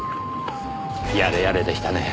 やれやれでしたねぇ。